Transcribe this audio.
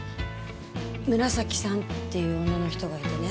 紫さんっていう女の人がいてね。